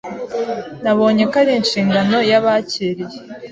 Nabonye ko ari inshingano y’abakiriye